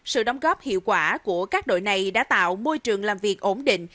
sự đóng góp hiệu quả của các đội này đã tạo môi trường làm việc ổn định